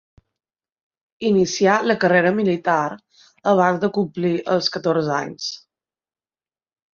Inicià la carrera militar abans de complir els catorze anys.